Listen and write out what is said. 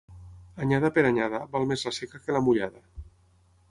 Anyada per anyada, val més la seca que la mullada.